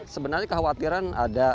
sebenarnya kekhawatiran ada